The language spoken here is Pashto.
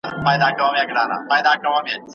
خپله هغه ورکه سندره په خوب ویني